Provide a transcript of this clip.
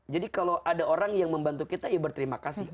jadi kalau ada orang yang membantu kita ya berterima kasih